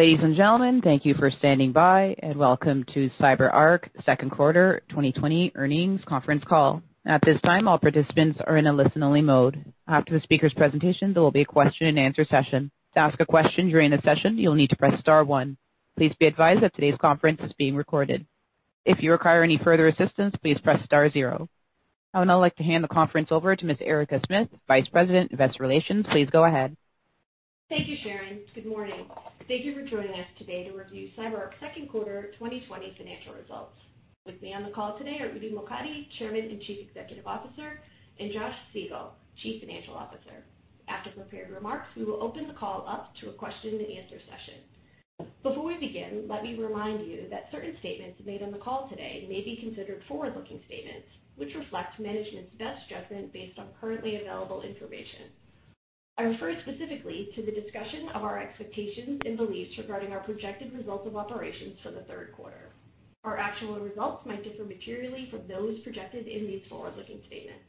Ladies and gentlemen, thank you for standing by, and welcome to CyberArk Second Quarter 2020 Earnings Conference Call. At this time, all participants are in a listen-only mode. After the speaker's presentation, there will be a question and answer session. To ask a question during the session, you'll need to press star one. Please be advised that today's conference is being recorded. If you require any further assistance, please press star zero. I would now like to hand the conference over to Ms. Erica Smith, Vice President of Investor Relations. Please go ahead. Thank you, Shannon. Good morning. Thank you for joining us today to review CyberArk Second Quarter 2020 financial results. With me on the call today are Udi Mokady, Chairman and Chief Executive Officer, and Josh Siegel, Chief Financial Officer. After prepared remarks, we will open the call up to a question and answer session. Before we begin, let me remind you that certain statements made on the call today may be considered forward-looking statements, which reflect management's best judgment based on currently available information. I refer specifically to the discussion of our expectations and beliefs regarding our projected results of operations for the third quarter. Our actual results might differ materially from those projected in these forward-looking statements.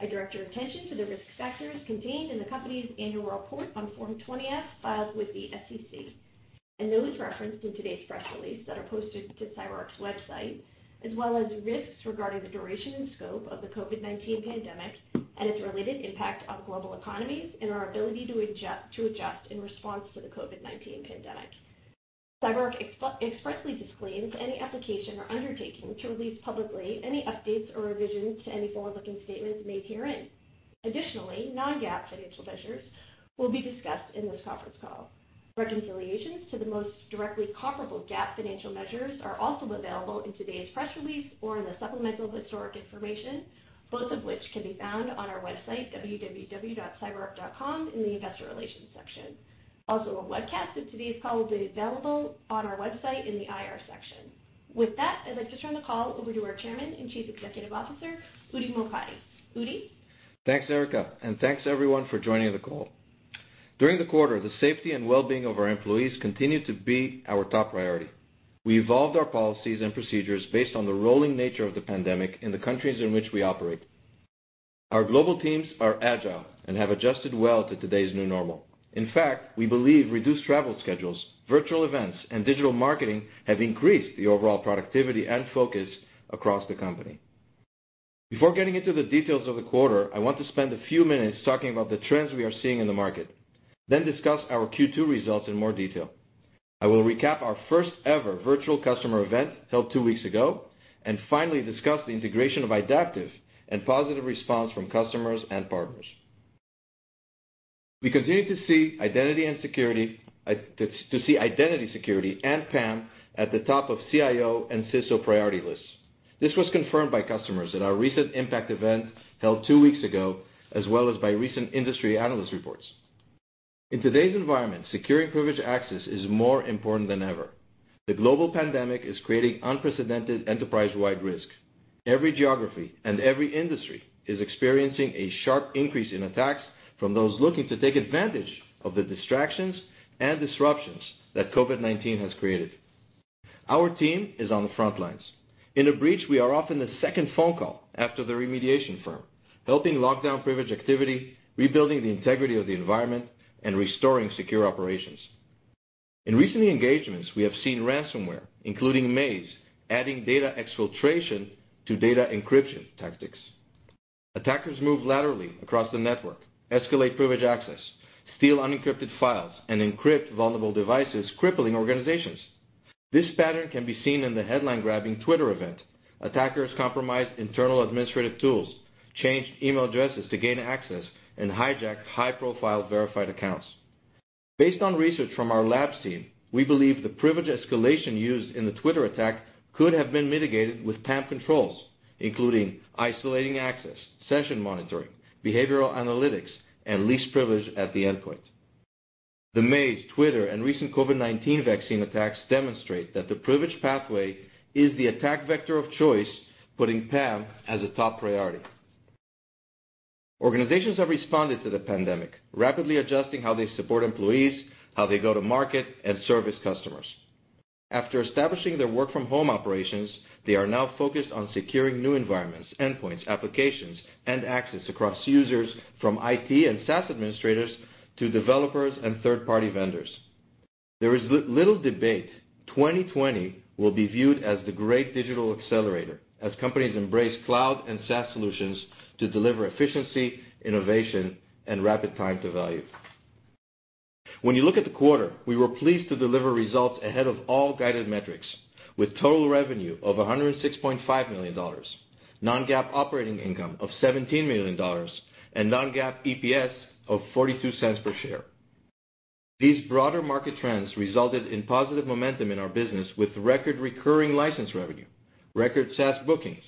I direct your attention to the risk factors contained in the company's annual report on Form 20-F filed with the SEC, and those referenced in today's press release that are posted to CyberArk's website, as well as risks regarding the duration and scope of the COVID-19 pandemic and its related impact on global economies, and our ability to adjust in response to the COVID-19 pandemic. CyberArk expressly disclaims any application or undertaking to release publicly any updates or revisions to any forward-looking statements made herein. Additionally, non-GAAP financial measures will be discussed in this conference call. Reconciliations to the most directly comparable GAAP financial measures are also available in today's press release or in the supplemental historic information, both of which can be found on our website, www.cyberark.com, in the investor relations section. Also, a webcast of today's call will be available on our website in the IR section. With that, I'd like to turn the call over to our Chairman and Chief Executive Officer, Udi Mokady. Udi? Thanks, Erica, and thanks everyone for joining the call. During the quarter, the safety and wellbeing of our employees continued to be our top priority. We evolved our policies and procedures based on the rolling nature of the pandemic in the countries in which we operate. Our global teams are agile and have adjusted well to today's new normal. In fact, we believe reduced travel schedules, virtual events, and digital marketing have increased the overall productivity and focus across the company. Before getting into the details of the quarter, I want to spend a few minutes talking about the trends we are seeing in the market, then discuss our Q2 results in more detail. I will recap our first ever virtual customer event held two weeks ago, and finally discuss the integration of Idaptive and positive response from customers and partners. We continue to see identity security and PAM at the top of CIO and CISO priority lists. This was confirmed by customers at our recent IMPACT event held two weeks ago, as well as by recent industry analyst reports. In today's environment, securing privileged access is more important than ever. The global pandemic is creating unprecedented enterprise-wide risk. Every geography and every industry is experiencing a sharp increase in attacks from those looking to take advantage of the distractions and disruptions that COVID-19 has created. Our team is on the front lines. In a breach, we are often the second phone call after the remediation firm, helping lock down privileged activity, rebuilding the integrity of the environment, and restoring secure operations. In recent engagements, we have seen ransomware, including Maze, adding data exfiltration to data encryption tactics. Attackers move laterally across the network, escalate privileged access, steal unencrypted files, and encrypt vulnerable devices, crippling organizations. This pattern can be seen in the headline-grabbing Twitter event. Attackers compromised internal administrative tools, changed email addresses to gain access, and hijacked high-profile verified accounts. Based on research from our lab team, we believe the privilege escalation used in the Twitter attack could have been mitigated with PAM controls, including isolating access, session monitoring, behavioral analytics, and least privilege at the endpoint. The Maze, Twitter, and recent COVID-19 vaccine attacks demonstrate that the privilege pathway is the attack vector of choice, putting PAM as a top priority. Organizations have responded to the pandemic, rapidly adjusting how they support employees, how they go to market, and service customers. After establishing their work-from-home operations, they are now focused on securing new environments, endpoints, applications, and access across users from IT and SaaS administrators to developers and third-party vendors. There is little debate 2020 will be viewed as the great digital accelerator as companies embrace cloud and SaaS solutions to deliver efficiency, innovation, and rapid time to value. When you look at the quarter, we were pleased to deliver results ahead of all guided metrics, with total revenue of $106.5 million, non-GAAP operating income of $17 million, and non-GAAP EPS of $0.42 per share. These broader market trends resulted in positive momentum in our business with record recurring license revenue, record SaaS bookings,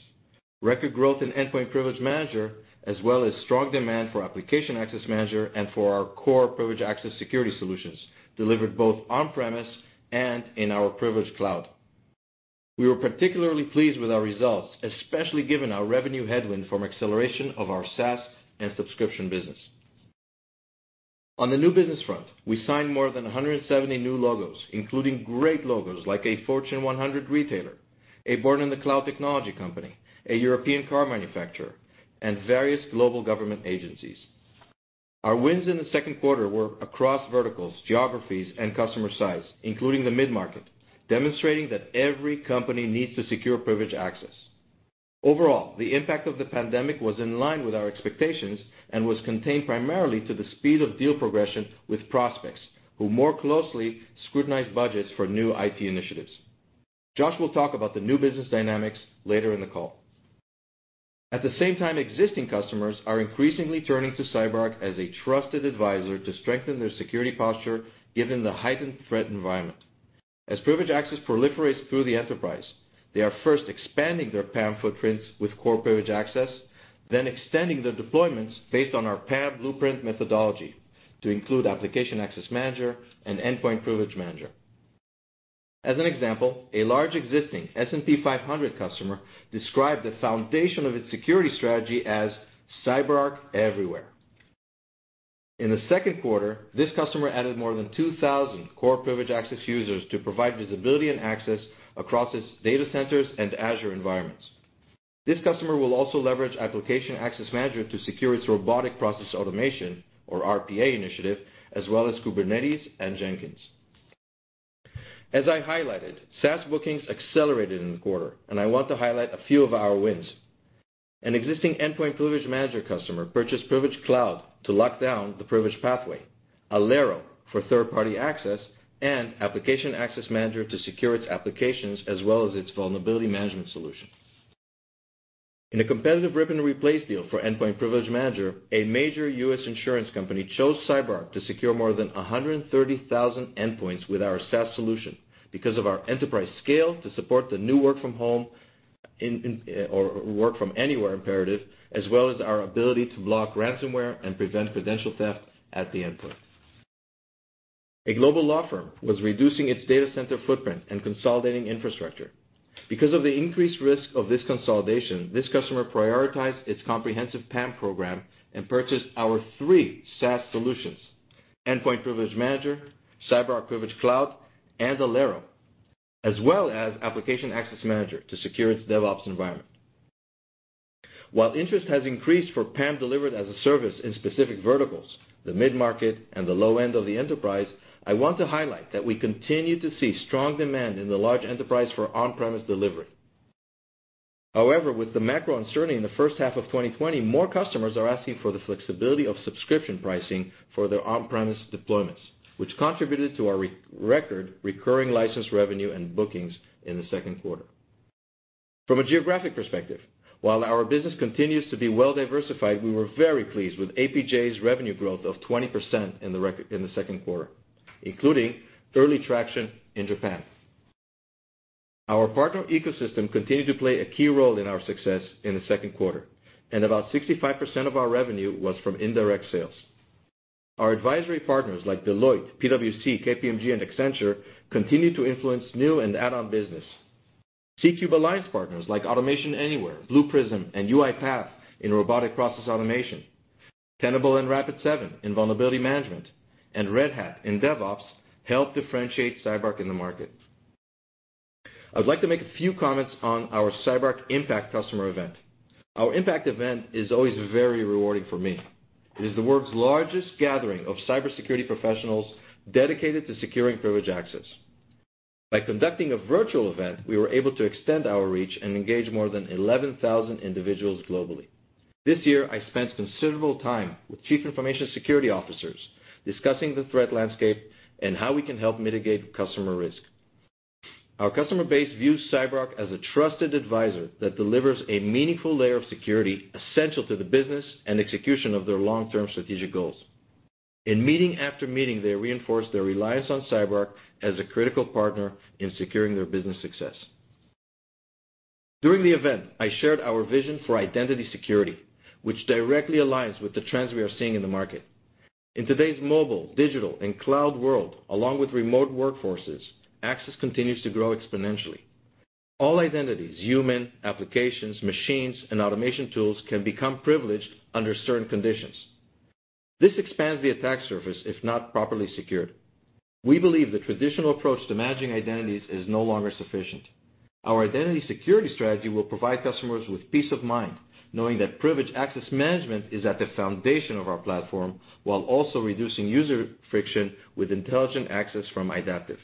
record growth in Endpoint Privilege Manager, as well as strong demand for Application Access Manager and for our core privilege access security solutions, delivered both on-premise and in our Privilege Cloud. We were particularly pleased with our results, especially given our revenue headwind from acceleration of our SaaS and subscription business. On the new business front, we signed more than 170 new logos, including great logos like a Fortune 100 retailer, a born-in-the-cloud technology company, a European car manufacturer, and various global government agencies. Our wins in the second quarter were across verticals, geographies, and customer size, including the mid-market, demonstrating that every company needs to secure privileged access. Overall, the impact of the pandemic was in line with our expectations and was contained primarily to the speed of deal progression with prospects who more closely scrutinized budgets for new IT initiatives. Josh will talk about the new business dynamics later in the call. At the same time, existing customers are increasingly turning to CyberArk as a trusted advisor to strengthen their security posture given the heightened threat environment. As privileged access proliferates through the enterprise, they are first expanding their PAM footprints with Core Privileged Access, then extending the deployments based on our PAM blueprint methodology to include Application Access Manager and Endpoint Privilege Manager. As an example, a large existing S&P 500 customer described the foundation of its security strategy as CyberArk Everywhere. In the second quarter, this customer added more than 2,000 Core Privileged Access users to provide visibility and access across its data centers and Azure environments. This customer will also leverage Application Access Manager to secure its robotic process automation, or RPA initiative, as well as Kubernetes and Jenkins. As I highlighted, SaaS bookings accelerated in the quarter, and I want to highlight a few of our wins. An existing Endpoint Privilege Manager customer purchased Privilege Cloud to lock down the privilege pathway, Alero for third-party access, and Application Access Manager to secure its applications as well as its vulnerability management solution. In a competitive rip and replace deal for Endpoint Privilege Manager, a major U.S. insurance company chose CyberArk to secure more than 130,000 endpoints with our SaaS solution because of our enterprise scale to support the new work from home or work from anywhere imperative, as well as our ability to block ransomware and prevent credential theft at the endpoint. A global law firm was reducing its data center footprint and consolidating infrastructure. Because of the increased risk of this consolidation, this customer prioritized its comprehensive PAM program and purchased our three SaaS solutions, Endpoint Privilege Manager, CyberArk Privilege Cloud, and Alero, as well as Application Access Manager to secure its DevOps environment. While interest has increased for PAM delivered as a service in specific verticals, the mid-market and the low end of the enterprise, I want to highlight that we continue to see strong demand in the large enterprise for on-premise delivery. However, with the macro uncertainty in the first half of 2020, more customers are asking for the flexibility of subscription pricing for their on-premise deployments, which contributed to our record recurring license revenue and bookings in the 2nd quarter. From a geographic perspective, while our business continues to be well-diversified, we were very pleased with APJ's revenue growth of 20% in the 2nd quarter, including early traction in Japan. Our partner ecosystem continued to play a key role in our success in the 2nd quarter, and about 65% of our revenue was from indirect sales. Our advisory partners like Deloitte, PwC, KPMG, and Accenture continue to influence new and add-on business. C3 Alliance alliance partners like Automation Anywhere, Blue Prism, and UiPath in robotic process automation, Tenable and Rapid7 in vulnerability management, and Red Hat in DevOps help differentiate CyberArk in the market. I would like to make a few comments on our CyberArk IMPACT customer event. Our IMPACT event is always very rewarding for me. It is the world's largest gathering of cybersecurity professionals dedicated to securing privileged access. By conducting a virtual event, we were able to extend our reach and engage more than 11,000 individuals globally. This year, I spent considerable time with chief information security officers discussing the threat landscape and how we can help mitigate customer risk. Our customer base views CyberArk as a trusted advisor that delivers a meaningful layer of security essential to the business and execution of their long-term strategic goals. In meeting after meeting, they reinforced their reliance on CyberArk as a critical partner in securing their business success. During the event, I shared our vision for identity security, which directly aligns with the trends we are seeing in the market. In today's mobile, digital, and cloud world, along with remote workforces, access continues to grow exponentially. All identities, human, applications, machines, and automation tools, can become privileged under certain conditions. This expands the attack surface if not properly secured. We believe the traditional approach to managing identities is no longer sufficient. Our identity security strategy will provide customers with peace of mind, knowing that privileged access management is at the foundation of our platform while also reducing user friction with intelligent access from Idaptive.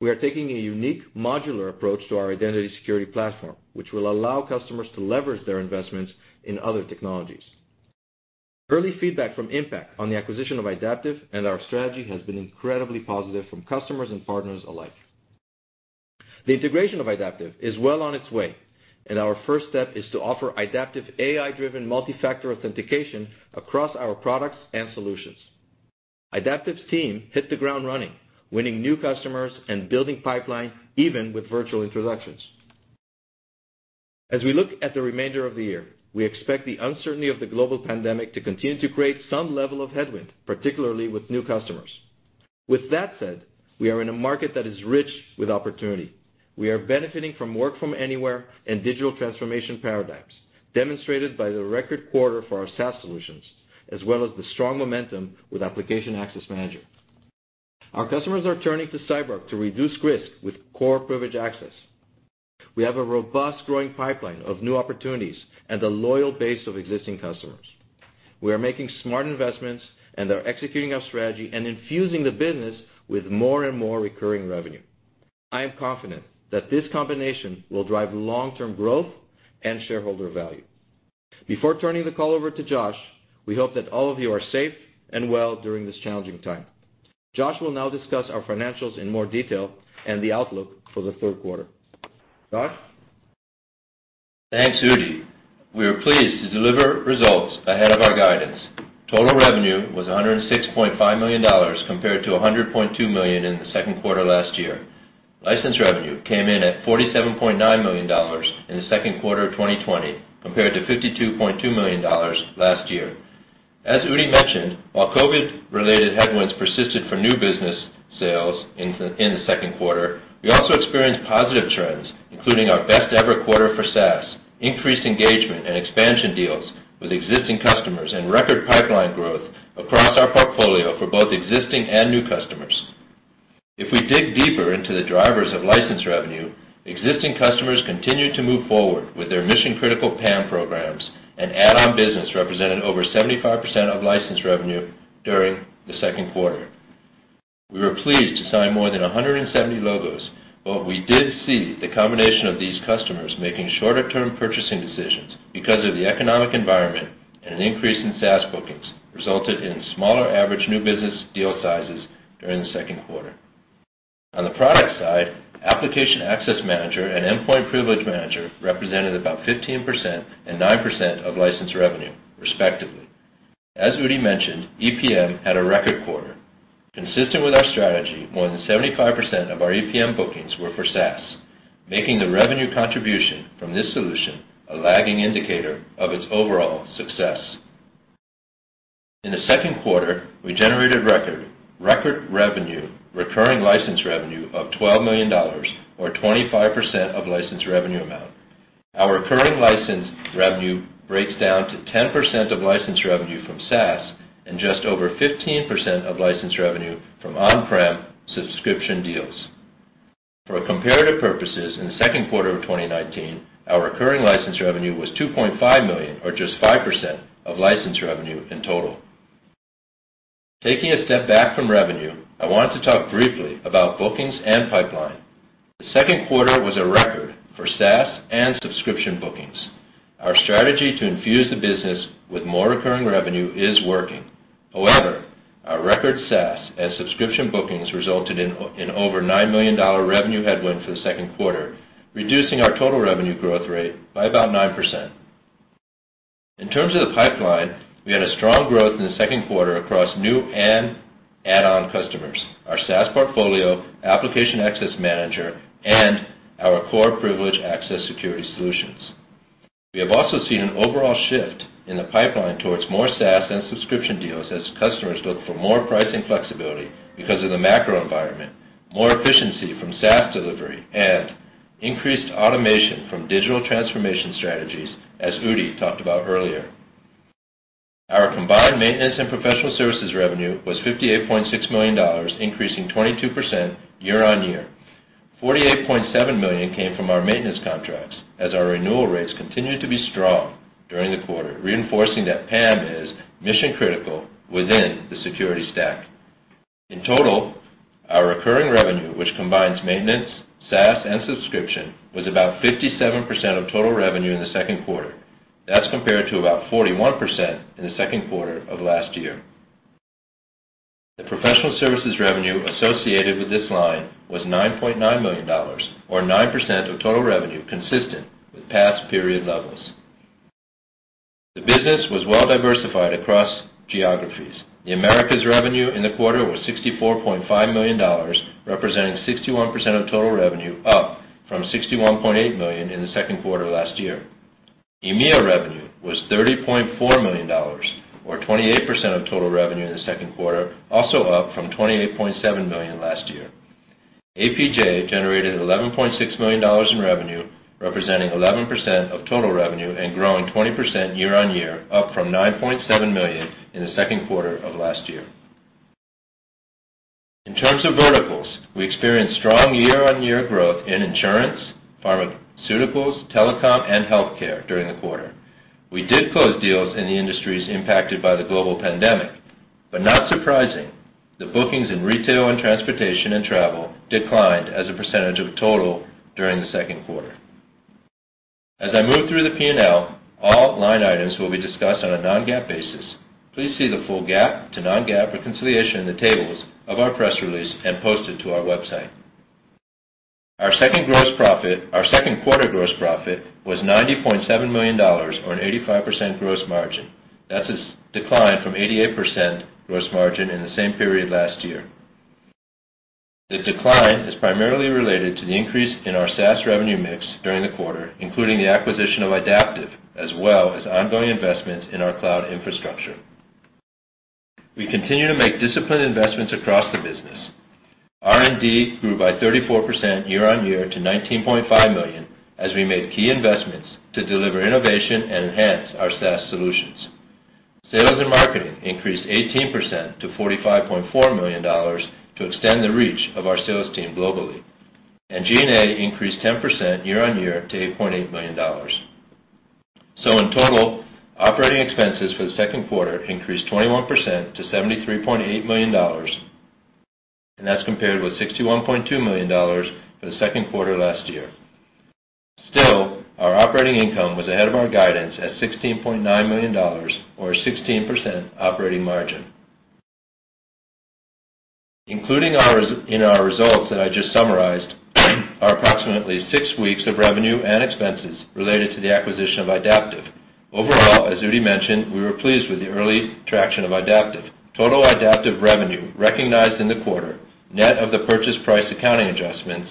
We are taking a unique modular approach to our identity security platform, which will allow customers to leverage their investments in other technologies. Early feedback from IMPACT on the acquisition of Idaptive and our strategy has been incredibly positive from customers and partners alike. The integration of Idaptive is well on its way, and our first step is to offer Idaptive AI-driven multi-factor authentication across our products and solutions. Idaptive's team hit the ground running, winning new customers and building pipeline even with virtual introductions. As we look at the remainder of the year, we expect the uncertainty of the global pandemic to continue to create some level of headwind, particularly with new customers. With that said, we are in a market that is rich with opportunity. We are benefiting from work from anywhere and digital transformation paradigms, demonstrated by the record quarter for our SaaS solutions, as well as the strong momentum with Application Access Manager. Our customers are turning to CyberArk to reduce risk with core privileged access. We have a robust growing pipeline of new opportunities and a loyal base of existing customers. We are making smart investments and are executing our strategy and infusing the business with more and more recurring revenue. I am confident that this combination will drive long-term growth and shareholder value. Before turning the call over to Josh, we hope that all of you are safe and well during this challenging time. Josh will now discuss our financials in more detail and the outlook for the third quarter. Josh? Thanks, Udi. We are pleased to deliver results ahead of our guidance. Total revenue was $106.5 million compared to $100.2 million in the second quarter last year. License revenue came in at $47.9 million in the second quarter of 2020 compared to $52.2 million last year. As Udi mentioned, while COVID-related headwinds persisted for new business sales in the second quarter, we also experienced positive trends, including our best ever quarter for SaaS, increased engagement and expansion deals with existing customers, and record pipeline growth across our portfolio for both existing and new customers. If we dig deeper into the drivers of license revenue, existing customers continued to move forward with their mission-critical PAM programs, and add-on business represented over 75% of license revenue during the second quarter. We were pleased to sign more than 170 logos. We did see the combination of these customers making shorter-term purchasing decisions because of the economic environment and an increase in SaaS bookings resulted in smaller average new business deal sizes during the second quarter. On the product side, Application Access Manager and Endpoint Privilege Manager represented about 15% and 9% of licensed revenue, respectively. As Udi mentioned, EPM had a record quarter. Consistent with our strategy, more than 75% of our EPM bookings were for SaaS, making the revenue contribution from this solution a lagging indicator of its overall success. In the second quarter, we generated record revenue, recurring license revenue of $12 million, or 25% of license revenue amount. Our recurring license revenue breaks down to 10% of license revenue from SaaS and just over 15% of license revenue from on-prem subscription deals. For comparative purposes, in the second quarter of 2019, our recurring license revenue was $2.5 million, or just 5% of license revenue in total. Taking a step back from revenue, I want to talk briefly about bookings and pipeline. The second quarter was a record for SaaS and subscription bookings. Our strategy to infuse the business with more recurring revenue is working. Our record SaaS as subscription bookings resulted in over $9 million revenue headwind for the second quarter, reducing our total revenue growth rate by about 9%. In terms of the pipeline, we had a strong growth in the second quarter across new and add-on customers, our SaaS portfolio, Application Access Manager, and our Core Privileged Access Security solutions. We have also seen an overall shift in the pipeline towards more SaaS and subscription deals as customers look for more pricing flexibility because of the macro environment, more efficiency from SaaS delivery, and increased automation from digital transformation strategies, as Udi talked about earlier. Our combined maintenance and professional services revenue was $58.6 million, increasing 22% year-on-year. $48.7 million came from our maintenance contracts as our renewal rates continued to be strong during the quarter, reinforcing that PAM is mission-critical within the security stack. In total, our recurring revenue, which combines maintenance, SaaS, and subscription, was about 57% of total revenue in the second quarter. That's compared to about 41% in the second quarter of last year. The professional services revenue associated with this line was $9.9 million, or 9% of total revenue, consistent with past period levels. The business was well diversified across geographies. The Americas revenue in the quarter was $64.5 million, representing 61% of total revenue, up from $61.8 million in the second quarter last year. EMEA revenue was $30.4 million, or 28% of total revenue in the second quarter, also up from $28.7 million last year. APJ generated $11.6 million in revenue, representing 11% of total revenue and growing 20% year-on-year, up from $9.7 million in the second quarter of last year. In terms of verticals, we experienced strong year-on-year growth in insurance, pharmaceuticals, telecom, and healthcare during the quarter. We did close deals in the industries impacted by the global pandemic. Not surprising, the bookings in retail and transportation and travel declined as a percentage of total during the second quarter. As I move through the P&L, all line items will be discussed on a non-GAAP basis. Please see the full GAAP to non-GAAP reconciliation in the tables of our press release and posted to our website. Our second quarter gross profit was $90.7 million, or an 85% gross margin. That's a decline from 88% gross margin in the same period last year. The decline is primarily related to the increase in our SaaS revenue mix during the quarter, including the acquisition of Idaptive, as well as ongoing investments in our cloud infrastructure. We continue to make disciplined investments across the business. R&D grew by 34% year-on-year to $19.5 million as we made key investments to deliver innovation and enhance our SaaS solutions. Sales and marketing increased 18% to $45.4 million to extend the reach of our sales team globally. G&A increased 10% year-on-year to $8.8 million. In total, operating expenses for the second quarter increased 21% to $73.8 million, and that's compared with $61.2 million for the second quarter last year. Still, our operating income was ahead of our guidance at $16.9 million, or a 16% operating margin. Including in our results that I just summarized are approximately six weeks of revenue and expenses related to the acquisition of Idaptive. Overall, as Udi mentioned, we were pleased with the early traction of Idaptive. Total Idaptive revenue recognized in the quarter, net of the purchase price accounting adjustments,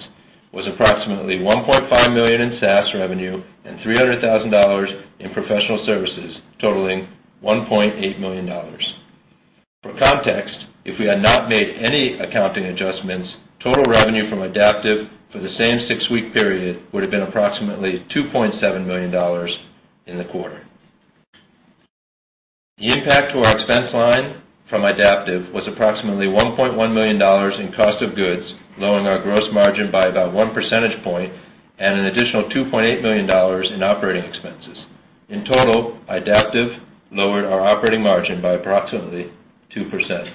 was approximately $1.5 million in SaaS revenue and $300,000 in professional services, totaling $1.8 million. For context, if we had not made any accounting adjustments, total revenue from Idaptive for the same six-week period would have been approximately $2.7 million in the quarter. The impact to our expense line from Idaptive was approximately $1.1 million in cost of goods, lowering our gross margin by about one percentage point, and an additional $2.8 million in operating expenses. In total, Idaptive lowered our operating margin by approximately 2%.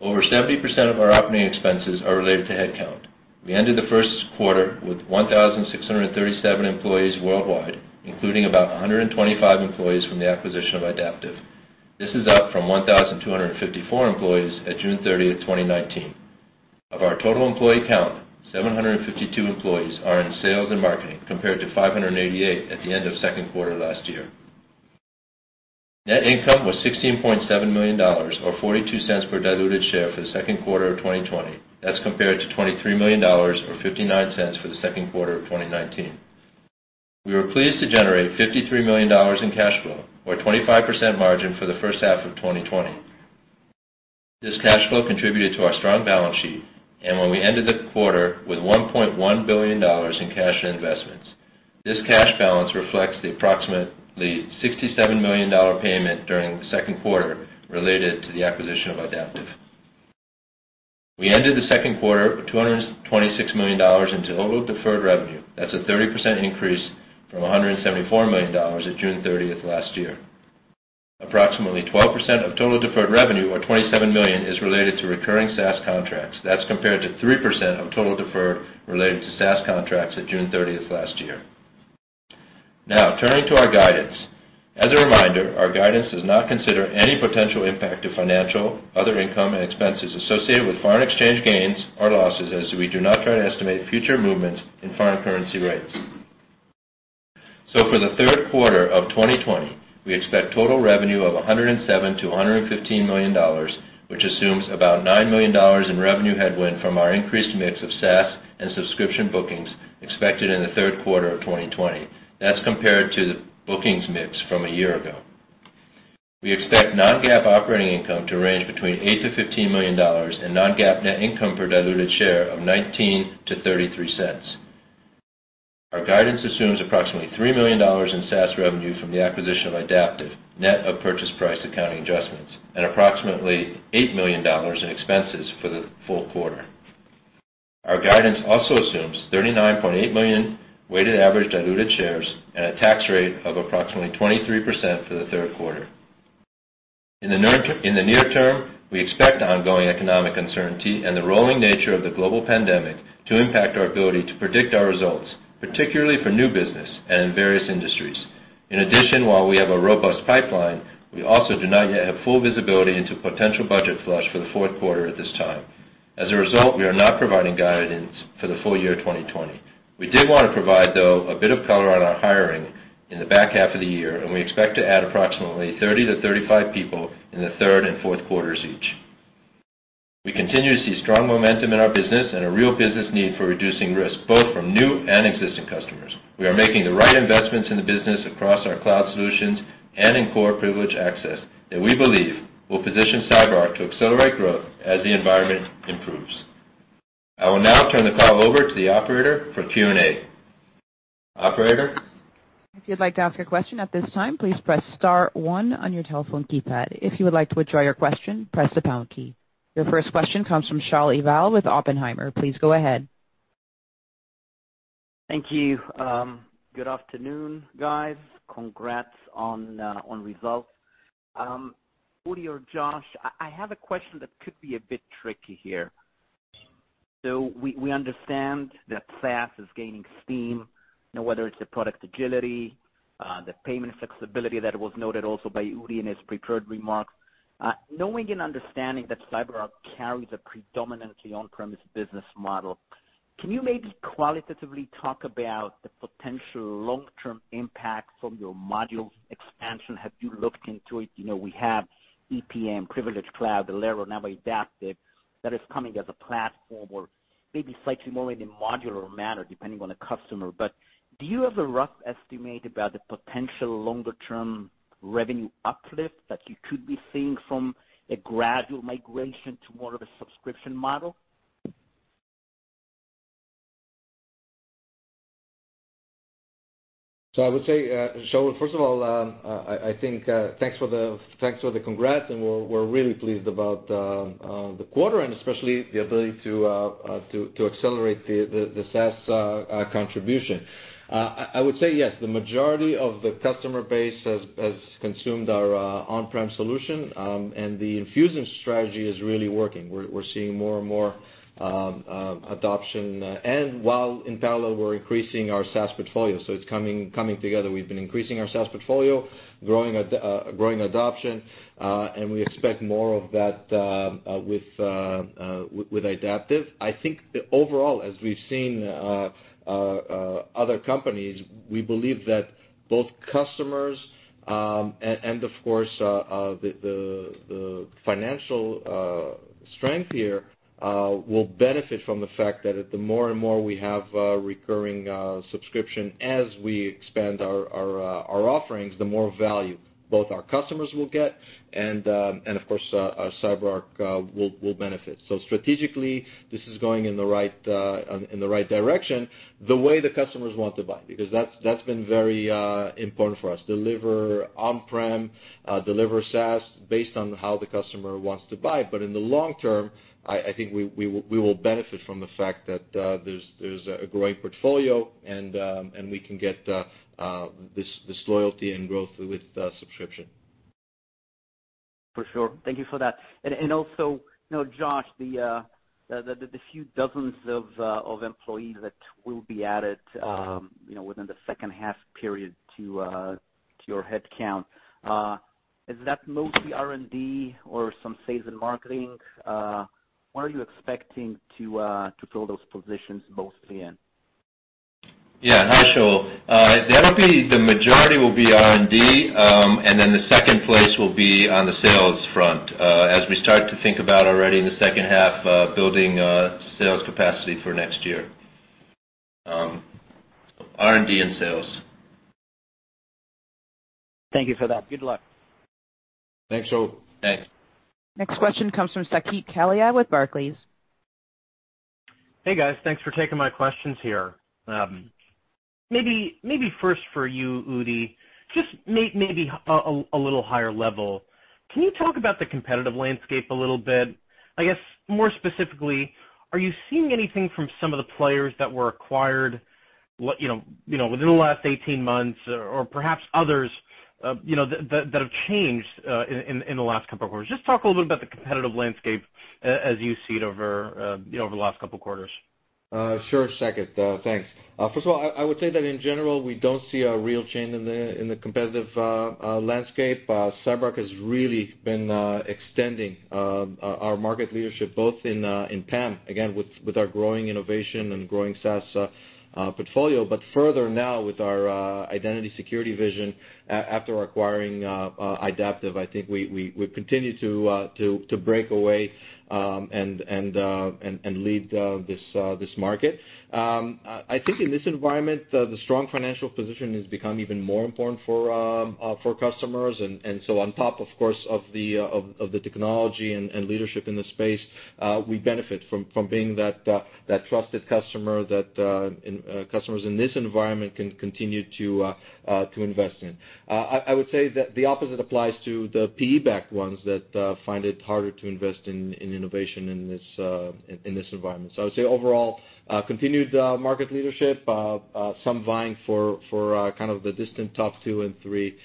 Over 70% of our operating expenses are related to headcount. We ended the first quarter with 1,637 employees worldwide, including about 125 employees from the acquisition of Idaptive. This is up from 1,254 employees at June 30th, 2019. Of our total employee count, 752 employees are in sales and marketing, compared to 588 at the end of second quarter last year. Net income was $16.7 million, or $0.42 per diluted share for the second quarter of 2020. That's compared to $23 million, or $0.59 for the second quarter of 2019. We were pleased to generate $53 million in cash flow, or a 25% margin for the first half of 2020. This cash flow contributed to our strong balance sheet, and when we ended the quarter with $1.1 billion in cash and investments. This cash balance reflects the approximately $67 million payment during the second quarter related to the acquisition of Idaptive. We ended the second quarter with $226 million in total deferred revenue. That's a 30% increase from $174 million at June 30th last year. Approximately 12% of total deferred revenue, or $27 million, is related to recurring SaaS contracts. That's compared to 3% of total deferred related to SaaS contracts at June 30th last year. Now, turning to our guidance. As a reminder, our guidance does not consider any potential impact of financial, other income, and expenses associated with foreign exchange gains or losses, as we do not try and estimate future movements in foreign currency rates. For the third quarter of 2020, we expect total revenue of $107 million-$115 million, which assumes about $9 million in revenue headwind from our increased mix of SaaS and subscription bookings expected in the third quarter of 2020. That's compared to the bookings mix from a year ago. We expect non-GAAP operating income to range between $8 million-$15 million and non-GAAP net income per diluted share of $0.19-$0.33. Our guidance assumes approximately $3 million in SaaS revenue from the acquisition of Idaptive, net of purchase price accounting adjustments, and approximately $8 million in expenses for the full quarter. Our guidance also assumes 39.8 million weighted average diluted shares and a tax rate of approximately 23% for the third quarter. In the near- term, we expect ongoing economic uncertainty and the rolling nature of the global pandemic to impact our ability to predict our results, particularly for new business and in various industries. In addition, while we have a robust pipeline, we also do not yet have full visibility into potential budget flush for the fourth quarter at this time. As a result, we are not providing guidance for the full- year 2020. We did want to provide, though, a bit of color on our hiring in the back half of the year, and we expect to add approximately 30 to 35 people in the third and fourth quarters each. We continue to see strong momentum in our business and a real business need for reducing risk, both from new and existing customers. We are making the right investments in the business across our cloud solutions and in core privileged access that we believe will position CyberArk to accelerate growth as the environment improves. I will now turn the call over to the operator for Q&A. Operator? If you'd like to ask a question at this time, please press star one on your telephone keypad. If you would like to withdraw your question, press the pound key. Your first question comes from Shaul Eyal with Oppenheimer. Please go ahead. Thank you. Good afternoon, guys. Congrats on results. Udi or Josh, I have a question that could be a bit tricky here. We understand that SaaS is gaining steam, whether it's the product agility, the payment flexibility that was noted also by Udi in his prepared remarks. Knowing and understanding that CyberArk carries a predominantly on-premise business model, can you maybe qualitatively talk about the potential long-term impact from your module expansion? Have you looked into it? We have EPM, Privilege Cloud, Alero, now Idaptive, that is coming as a platform or maybe slightly more in a modular manner, depending on the customer. Do you have a rough estimate about the potential longer-term revenue uplift that you could be seeing from a gradual migration to more of a subscription model? I would say, Shaul, first of all, thanks for the congrats, and we're really pleased about the quarter and especially the ability to accelerate the SaaS contribution. I would say yes, the majority of the customer base has consumed our on-prem solution, and the infusion strategy is really working. We're seeing more and more adoption, and while in parallel, we're increasing our SaaS portfolio. It's coming together. We've been increasing our SaaS portfolio, growing adoption, and we expect more of that with Idaptive. I think that overall, as we've seen other companies, we believe that both customers and of course, the financial strength here will benefit from the fact that the more and more we have recurring subscription as we expand our offerings, the more value both our customers will get and, of course, CyberArk will benefit. Strategically, this is going in the right direction, the way the customers want to buy, because that's been very important for us. Deliver on-prem, deliver SaaS based on how the customer wants to buy. In the long- term, I think we will benefit from the fact that there's a growing portfolio and we can get this loyalty and growth with subscription. For sure. Thank you for that. Also, Josh, the few dozens of employees that will be added within the second half period to your headcount, is that mostly R&D or some sales and marketing? Where are you expecting to fill those positions mostly in? Yeah. Hi, Shaul. That'll be the majority will be R&D, and then the second place will be on the sales front, as we start to think about already in the second half, building sales capacity for next year. R&D and sales. Thank you for that. Good luck. Thanks, Shaul. Thanks. Next question comes from Saket Kalia with Barclays. Hey, guys. Thanks for taking my questions here. Maybe first for you, Udi, just maybe a little higher level. Can you talk about the competitive landscape a little bit? I guess more specifically, are you seeing anything from some of the players that were acquired within the last 18 months or perhaps others that have changed in the last couple of quarters? Just talk a little bit about the competitive landscape as you see it over the last couple of quarters. Sure, Saket. Thanks. First of all, I would say that in general, we don't see a real change in the competitive landscape. CyberArk has really been extending our market leadership both in PAM, again, with our growing innovation and growing SaaS portfolio. Further now with our identity security vision after acquiring Idaptive, I think we continue to break away and lead this market. I think in this environment, the strong financial position has become even more important for customers. On top, of course, of the technology and leadership in the space, we benefit from being that trusted customer that customers in this environment can continue to invest in. I would say that the opposite applies to the PE-backed ones that find it harder to invest in innovation in this environment. I would say overall, continued market leadership, some vying for kind of the distant top two and three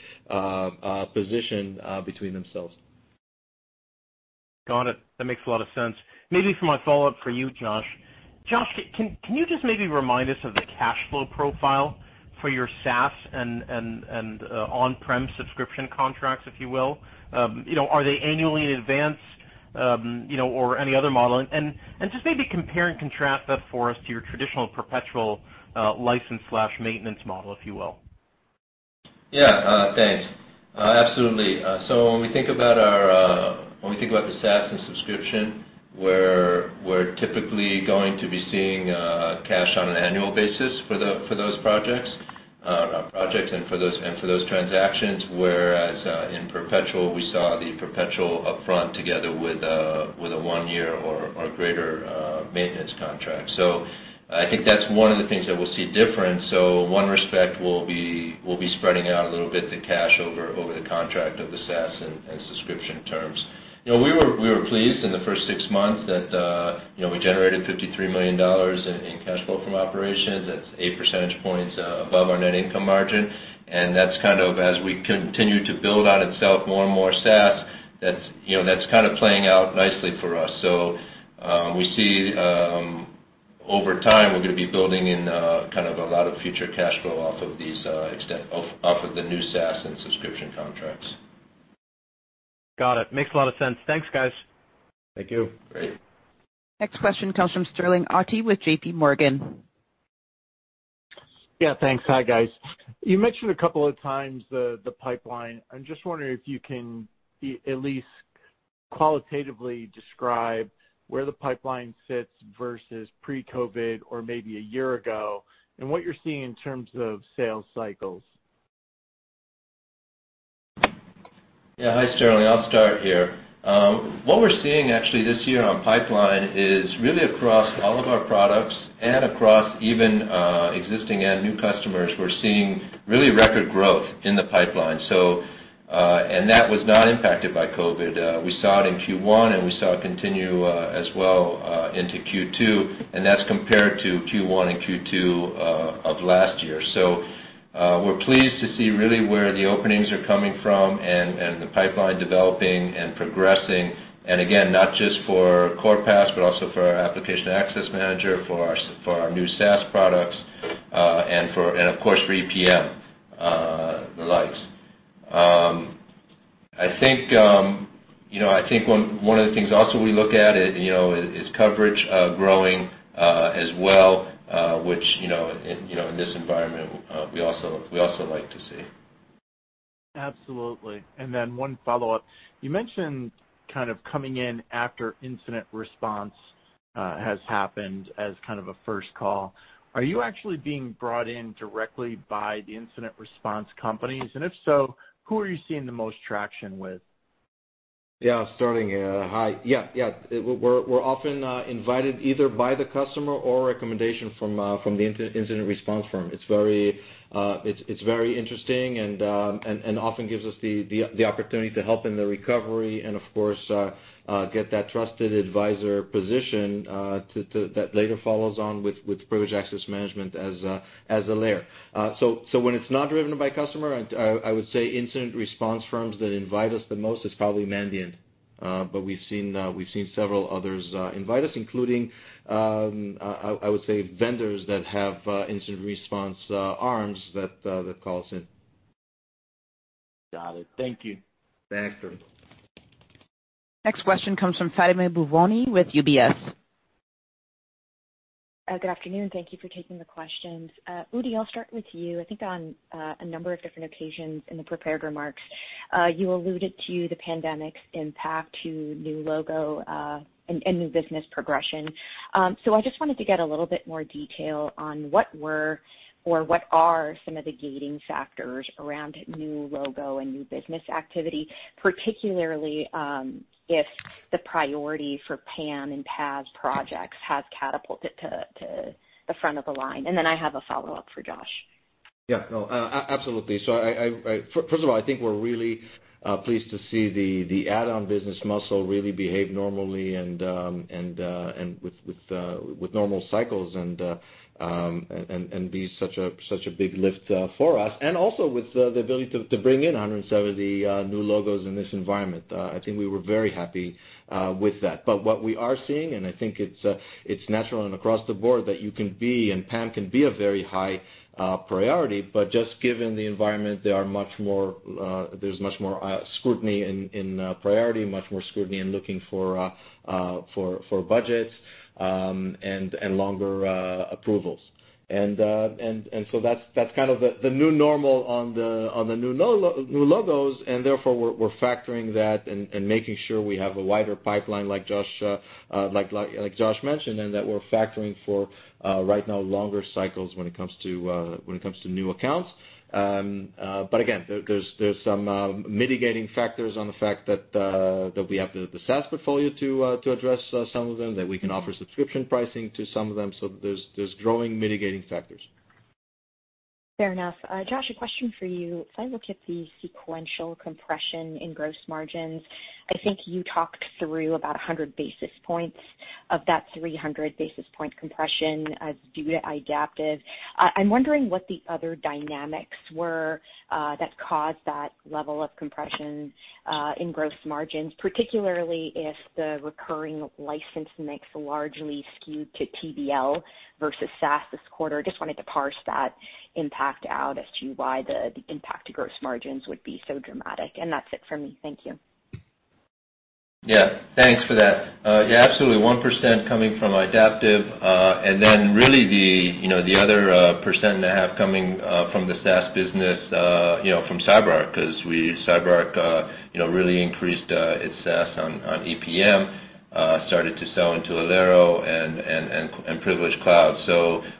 position between themselves. Got it. That makes a lot of sense. Maybe for my follow-up for you, Josh. Josh, can you just maybe remind us of the cash flow profile for your SaaS and on-prem subscription contracts, if you will? Are they annually in advance or any other model? Just maybe compare and contrast that for us to your traditional perpetual license/maintenance model, if you will. Yeah. Thanks. Absolutely. When we think about the SaaS and subscription, we're typically going to be seeing cash on an annual basis for those projects and for those transactions, whereas in perpetual, we saw the perpetual upfront together with a one year or greater maintenance contract. I think that's one of the things that we'll see different. One respect will be spreading out a little bit the cash over the contract of the SaaS and subscription terms. We were pleased in the first six months that we generated $53 million in cash flow from operations. That's eight percentage points above our net income margin. That's kind of as we continue to build out and sell more and more SaaS, that's kind of playing out nicely for us. We see over time, we're going to be building in kind of a lot of future cash flow off of the new SaaS and subscription contracts. Got it. Makes a lot of sense. Thanks, guys. Thank you. Great. Next question comes from Sterling Auty with J.P. Morgan. Yeah, thanks. Hi, guys. You mentioned a couple of times the pipeline. I'm just wondering if you can at least qualitatively describe where the pipeline sits versus pre-COVID or maybe a year ago, and what you're seeing in terms of sales cycles? Hi, Sterling. I'll start here. What we're seeing actually this year on pipeline is really across all of our products and across even existing and new customers, we're seeing really record growth in the pipeline. That was not impacted by COVID-19. We saw it in Q1, and we saw it continue as well into Q2, and that's compared to Q1 and Q2 of last year. We're pleased to see really where the openings are coming from and the pipeline developing and progressing. Again, not just for Core PAS, but also for our Application Access Manager, for our new SaaS products, and of course for EPM, and the likes. I think one of the things also we look at is coverage growing as well, which in this environment, we also like to see. Absolutely. One follow-up. You mentioned kind of coming in after incident response has happened as kind of a first call. Are you actually being brought in directly by the incident response companies? If so, who are you seeing the most traction with? Yeah, Sterling. Hi. Yeah. We're often invited either by the customer or a recommendation from the incident response firm. It's very interesting and often gives us the opportunity to help in the recovery and, of course, get that trusted advisor position that later follows on with privileged access management as a layer. When it's not driven by customer, I would say incident response firms that invite us the most is probably Mandiant. We've seen several others invite us, including, I would say vendors that have incident response arms that call us in. Got it. Thank you. Thanks, Sterling. Next question comes from Fatima Boolani with UBS. Good afternoon. Thank you for taking the questions. Udi, I'll start with you. I think on a number of different occasions in the prepared remarks, you alluded to the pandemic's impact to new logo and new business progression. I just wanted to get a little bit more detail on what were or what are some of the gating factors around new logo and new business activity, particularly if the priority for PAM and PAS projects has catapulted to the front of the line. I have a follow-up for Josh. No. Absolutely. First of all, I think we're really pleased to see the add-on business muscle really behave normally and with normal cycles, and be such a big lift for us. Also with the ability to bring in 170 new logos in this environment. I think we were very happy with that. What we are seeing, and I think it's natural and across the board, that you can be, and PAM can be a very high priority, but just given the environment, there's much more scrutiny in priority, much more scrutiny in looking for budgets, and longer approvals. That's kind of the new normal on the new logos, and therefore we're factoring that and making sure we have a wider pipeline like Josh mentioned, and that we're factoring for right now longer cycles when it comes to new accounts. Again, there's some mitigating factors on the fact that we have the SaaS portfolio to address some of them, that we can offer subscription pricing to some of them. There's growing mitigating factors. Fair enough. Josh, a question for you. If I look at the sequential compression in gross margins, I think you talked through about 100 basis points of that 300 basis point compression due to Idaptive. I'm wondering what the other dynamics were that caused that level of compression in gross margins, particularly if the recurring license mix largely skewed to TBL versus SaaS this quarter. Just wanted to parse that impact out as to why the impact to gross margins would be so dramatic. That's it for me. Thank you. Thanks for that. Absolutely. 1% coming from Idaptive, really the other 1.5% coming from the SaaS business from CyberArk, because CyberArk really increased its SaaS on EPM, started to sell into Alero and Privilege Cloud.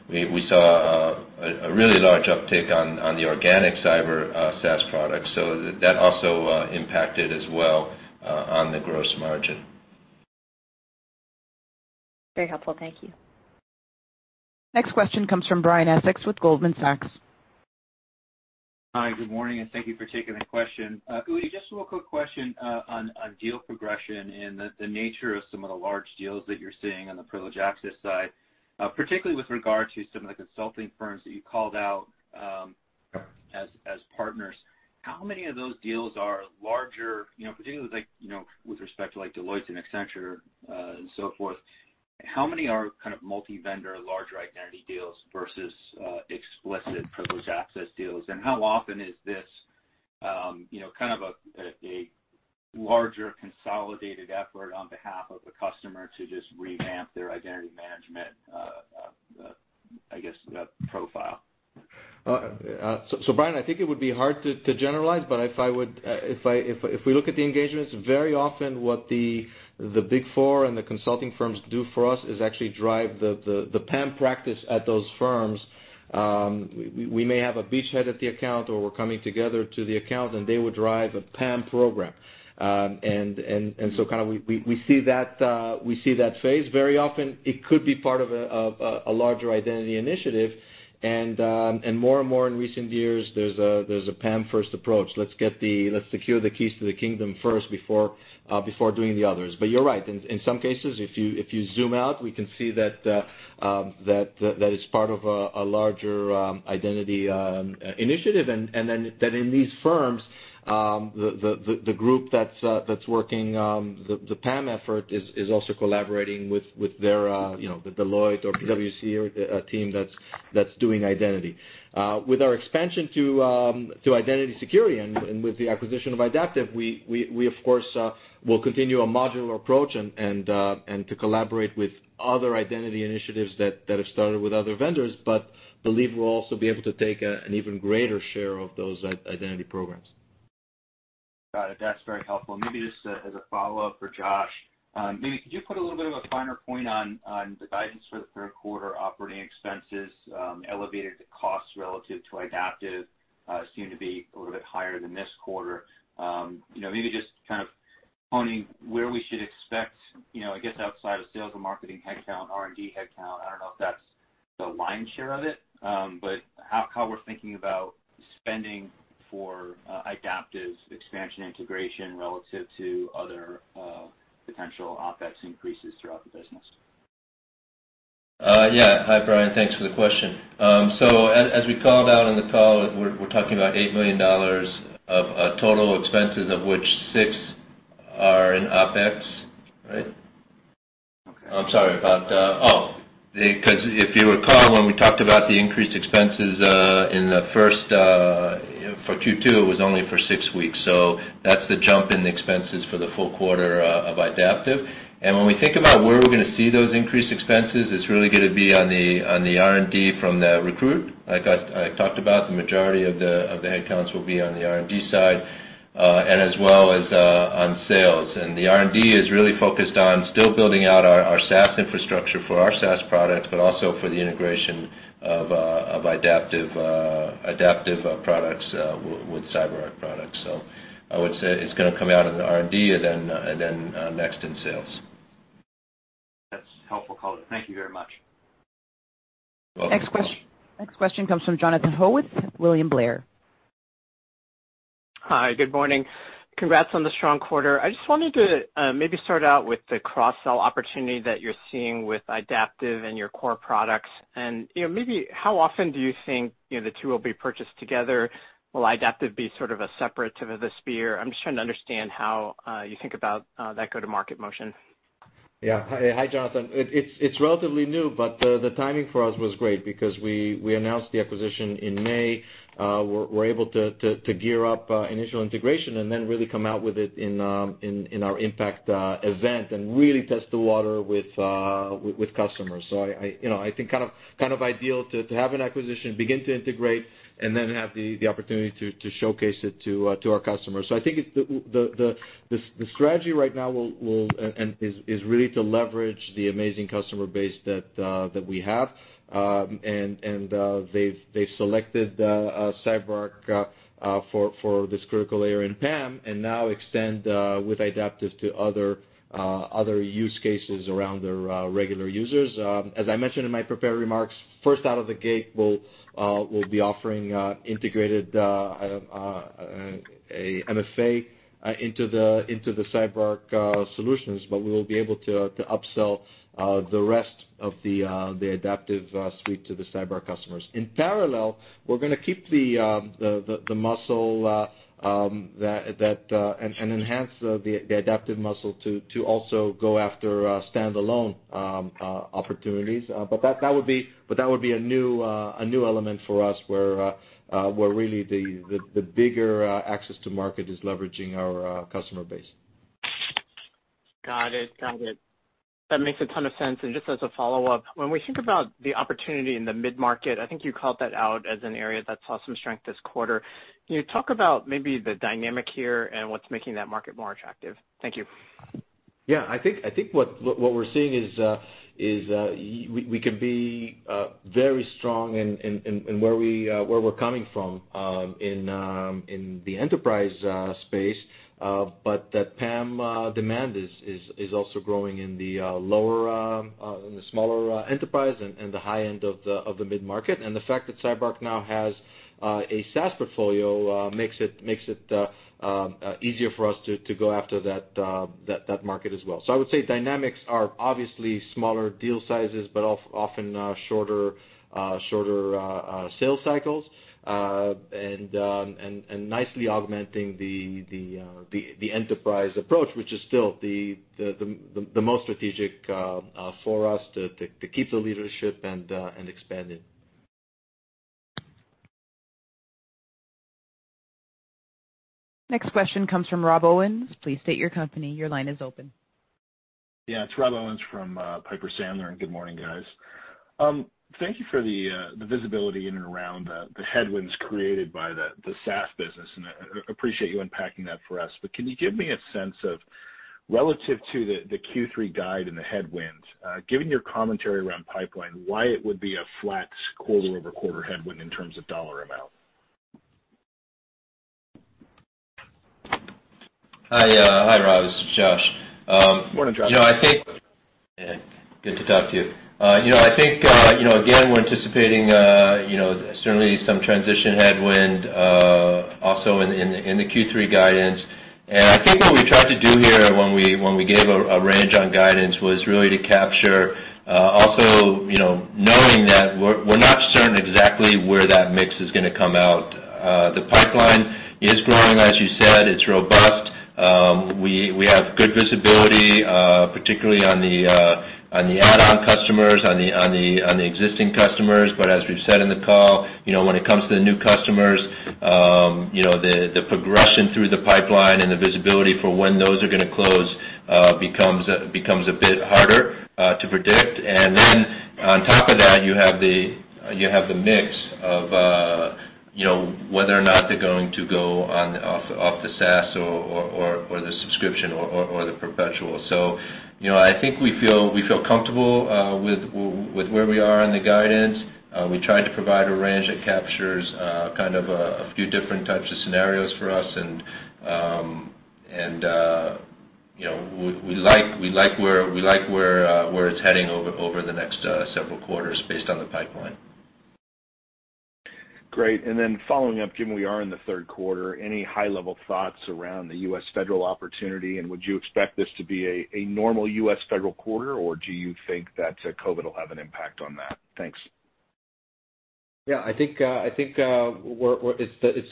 We saw a really large uptick on the organic cyber SaaS products. That also impacted as well on the gross margin. Very helpful. Thank you. Next question comes from Brian Essex with Goldman Sachs. Hi, good morning, and thank you for taking the question. Udi, just a real quick question on deal progression and the nature of some of the large deals that you're seeing on the Privileged Access side. Particularly with regard to some of the consulting firms that you called out as partners. How many of those deals are larger, particularly with respect to Deloitte and Accenture, and so forth, how many are kind of multi-vendor, larger identity deals versus explicit Privileged Access deals? How often is this a larger consolidated effort on behalf of a customer to just revamp their identity management, I guess, that profile? Brian, I think it would be hard to generalize, but if we look at the engagements, very often what the Big Four and the consulting firms do for us is actually drive the PAM practice at those firms. We may have a beachhead at the account, or we're coming together to the account, and they would drive a PAM program. We see that phase very often. It could be part of a larger identity initiative. More and more in recent years, there's a PAM first approach. Let's secure the keys to the kingdom first before doing the others. You're right. In some cases, if you zoom out, we can see that it's part of a larger identity initiative, and then that in these firms, the group that's working the PAM effort is also collaborating with their Deloitte or PwC or a team that's doing identity. With our expansion to identity security and with the acquisition of Idaptive, we of course, will continue a modular approach and to collaborate with other identity initiatives that have started with other vendors. Believe we'll also be able to take an even greater share of those identity programs. Got it. That's very helpful. Maybe just as a follow-up for Josh, maybe could you put a little bit of a finer point on the guidance for the third quarter operating expenses, elevated costs relative to Idaptive, seem to be a little bit higher than this quarter. Maybe just kind of honing where we should expect, I guess outside of sales and marketing headcount, R&D headcount, I don't know if that's the lion's share of it. How we're thinking about spending for Idaptive's expansion integration relative to other potential OpEx increases throughout the business. Yeah. Hi, Brian. Thanks for the question. As we called out on the call, we're talking about $8 million of total expenses, of which $6 are in OpEx, right? Okay. If you recall, when we talked about the increased expenses for Q2, it was only for six weeks. That's the jump in the expenses for the full quarter of Idaptive. When we think about where we're going to see those increased expenses, it's really going to be on the R&D from the recruit. Like I talked about, the majority of the headcounts will be on the R&D side, and as well as on sales. The R&D is really focused on still building out our SaaS infrastructure for our SaaS products, but also for the integration of Idaptive products with CyberArk products. I would say it's going to come out in the R&D and then next in sales. That's a helpful call. Thank you very much. Welcome. Next question comes from Jonathan Ho, William Blair. Hi, good morning. Congrats on the strong quarter. I just wanted to maybe start out with the cross-sell opportunity that you're seeing with Idaptive and your core products. Maybe how often do you think the two will be purchased together? Will Idaptive be sort of a separate tip of the spear? I'm just trying to understand how you think about that go-to-market motion. Hi, Jonathan. It's relatively new, but the timing for us was great because we announced the acquisition in May. We're able to gear up initial integration and then really come out with it in our IMPACT event and really test the water with customers. I think kind of ideal to have an acquisition, begin to integrate, and then have the opportunity to showcase it to our customers. I think the strategy right now is really to leverage the amazing customer base that we have. They've selected CyberArk for this critical layer in PAM and now extend with Idaptive to other use cases around their regular users. As I mentioned in my prepared remarks, first out of the gate, we'll be offering integrated MFA into the CyberArk solutions, but we will be able to upsell the rest of the Idaptive suite to the CyberArk customers. In parallel, we're going to keep the muscle and enhance the Idaptive muscle to also go after standalone opportunities. That would be a new element for us where really the bigger access to market is leveraging our customer base. Got it. That makes a ton of sense. Just as a follow-up, when we think about the opportunity in the mid-market, I think you called that out as an area that saw some strength this quarter. Can you talk about maybe the dynamic here and what's making that market more attractive? Thank you. Yeah, I think what we're seeing is we can be very strong in where we're coming from in the enterprise space. That PAM demand is also growing in the smaller enterprise and the high end of the mid-market. The fact that CyberArk now has a SaaS portfolio makes it easier for us to go after that market as well. I would say dynamics are obviously smaller deal sizes, but often shorter sales cycles, and nicely augmenting the enterprise approach, which is still the most strategic for us to keep the leadership and expand it. Next question comes from Rob Owens. Please state your company. Your line is open. Yeah. It's Rob Owens from Piper Sandler. Good morning, guys. Thank you for the visibility in and around the headwinds created by the SaaS business, and I appreciate you unpacking that for us. Can you give me a sense of, relative to the Q3 guide and the headwinds, given your commentary around pipeline, why it would be a flat quarter-over-quarter headwind in terms of dollar amount? Hi, Rob. This is Josh. Morning, Josh. Good to talk to you. I think, again, we're anticipating certainly some transition headwind also in the Q3 guidance. I think what we tried to do here when we gave a range on guidance was really to capture also knowing that we're not certain exactly where that mix is going to come out. The pipeline is growing, as you said. It's robust. We have good visibility, particularly on the add-on customers, on the existing customers. As we've said in the call, when it comes to the new customers, the progression through the pipeline and the visibility for when those are going to close becomes a bit harder to predict. On top of that, you have the mix of whether or not they're going to go off the SaaS or the subscription or the perpetual. I think we feel comfortable with where we are in the guidance. We tried to provide a range that captures a few different types of scenarios for us, and we like where it's heading over the next several quarters based on the pipeline. Great. Following up, Jim, we are in the third quarter. Any high-level thoughts around the U.S. federal opportunity, and would you expect this to be a normal U.S. federal quarter, or do you think that COVID will have an impact on that? Thanks. Yeah, I think it's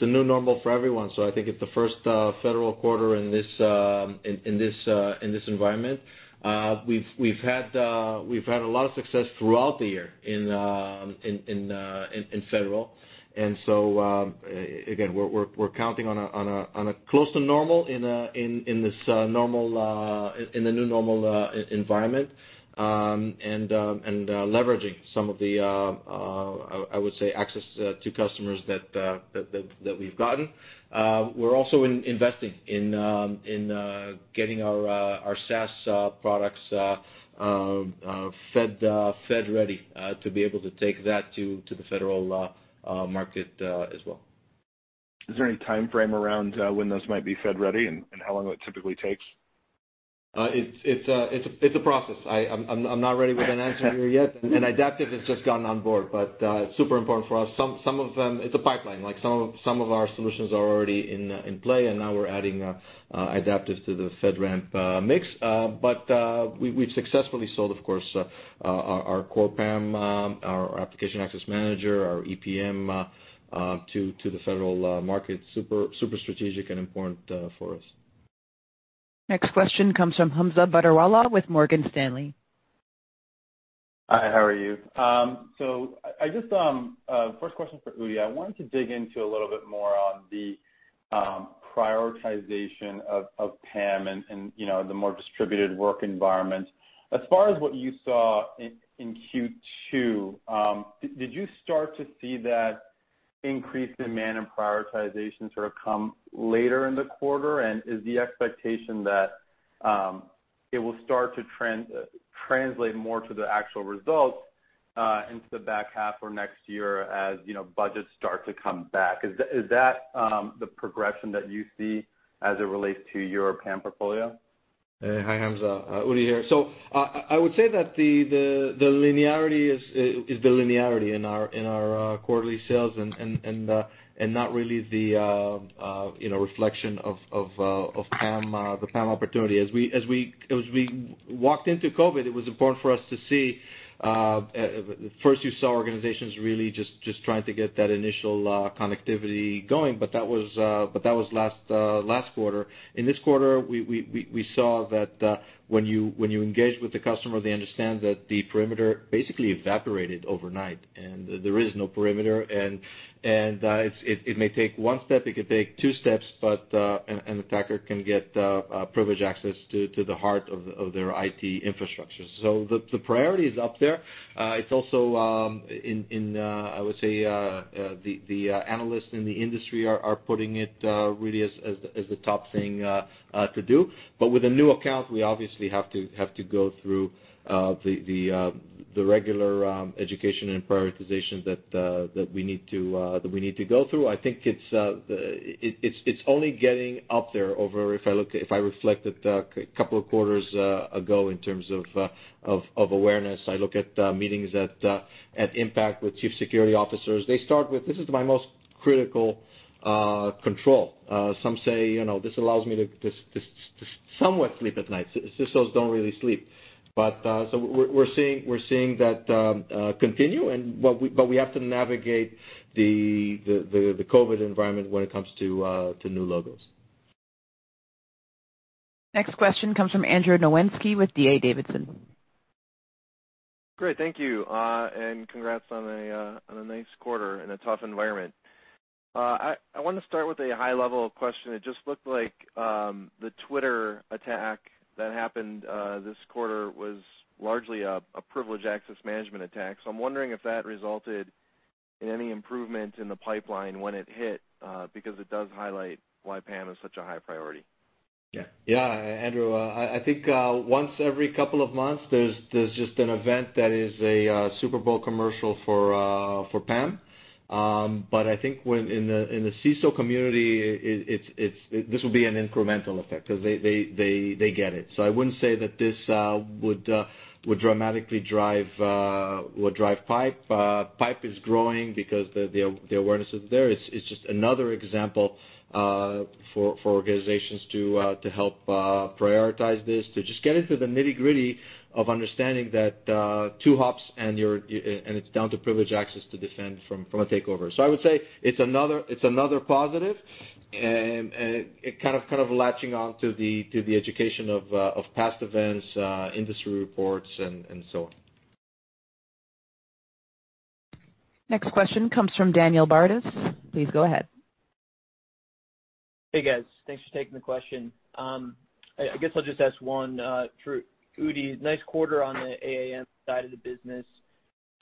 the new normal for everyone. I think it's the first federal quarter in this environment. We've had a lot of success throughout the year in federal. Again, we're counting on a close to normal in the new normal environment and leveraging some of the, I would say, access to customers that we've gotten. We're also investing in getting our SaaS products FedRAMP ready to be able to take that to the federal market as well. Is there any timeframe around when those might be FedRAMP ready and how long it typically takes? It's a process. I'm not ready with an answer here yet, and Idaptive has just gotten on board. Super important for us. It's a pipeline. Some of our solutions are already in play, and now we're adding Idaptive to the FedRAMP mix. We've successfully sold, of course, our Core PAM, our Application Access Manager, our EPM to the federal market. Super strategic and important for us. Next question comes from Hamza Fodderwala with Morgan Stanley. Hi, how are you? First question for Udi. I wanted to dig into a little bit more on the prioritization of PAM and the more distributed work environment. As far as what you saw in Q2, did you start to see that increase in demand and prioritization sort of come later in the quarter? Is the expectation that it will start to translate more to the actual results into the back half or next year as budgets start to come back? Is that the progression that you see as it relates to your PAM portfolio? Hi, Hamza. Udi here. I would say that the linearity is the linearity in our quarterly sales and not really the reflection of the PAM opportunity. As we walked into COVID, it was important for us to see, first you saw organizations really just trying to get that initial connectivity going, but that was last quarter. In this quarter, we saw that when you engage with the customer, they understand that the perimeter basically evaporated overnight, and there is no perimeter. It may take one step, it could take two steps, and the attacker can get privileged access to the heart of their IT infrastructure. The priority is up there. It's also, I would say, the analysts in the industry are putting it really as the top thing to do. With a new account, we obviously have to go through the regular education and prioritization that we need to go through. I think it's only getting up there over, if I reflect it, a couple of quarters ago in terms of awareness. I look at meetings at IMPACT with chief security officers. They start with, "This is my most critical control." Some say, "This allows me to somewhat sleep at night." CISOs don't really sleep. We're seeing that continue, but we have to navigate the COVID environment when it comes to new logos. Next question comes from Andy Nowinski with D.A. Davidson. Great. Thank you. Congrats on a nice quarter in a tough environment. I want to start with a high-level question. It just looked like the Twitter attack that happened this quarter was largely a privileged access management attack. I'm wondering if that resulted in any improvement in the pipeline when it hit, because it does highlight why PAM is such a high priority. Yeah, Andrew. I think once every couple of months, there's just an event that is a Super Bowl commercial for PAM. I think in the CISO community, this will be an incremental effect because they get it. I wouldn't say that this would dramatically drive pipe. Pipe is growing because the awareness is there. It's just another example for organizations to help prioritize this, to just get into the nitty-gritty of understanding that two hops, and it's down to privileged access to defend from a takeover. I would say it's another positive and kind of latching on to the education of past events, industry reports, and so on. Next question comes from Dan Bartus. Please go ahead. Hey, guys. Thanks for taking the question. I guess I'll just ask one. Udi, nice quarter on the AAM side of the business.